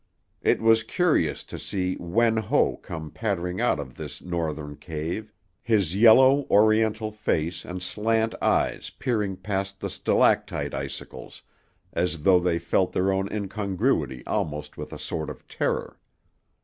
It was curious to see Wen Ho come pattering out of this Northern cave, his yellow, Oriental face and slant eyes peering past the stalactite icicles as though they felt their own incongruity almost with a sort of terror.